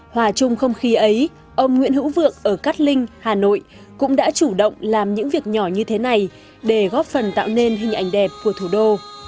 hòa chung không khí ấy ông nguyễn hữu vượng ở cát linh hà nội cũng đã chủ động làm những việc nhỏ như thế này để góp phần tạo nên hình ảnh đẹp của thủ đô